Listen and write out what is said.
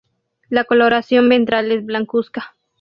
La coloración ventral es blancuzca.